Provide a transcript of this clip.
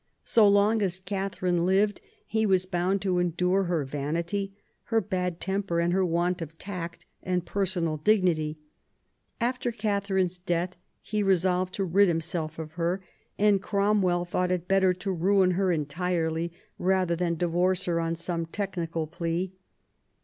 So long as Catherine lived he was bound to endure her vanity, her bad temper, and her want of tact and personal dignity. After Catherine's death he resolved to rid himself of her ; and Cromwell thought it better to ruin her entirely rather than divorce her on some technical plea.